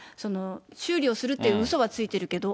修理をするっていううそはついてるけど。